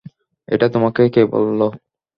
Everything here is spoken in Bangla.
এটা তোমাকে কে বলল?